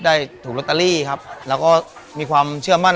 ได้ถูกลอตเตอรี่ครับแล้วก็มีความเชื่อมั่น